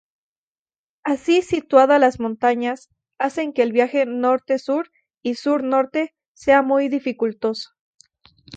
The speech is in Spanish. Así situada, las montañas hacen que el viaje norte-sur y sur-norte sea muy dificultoso.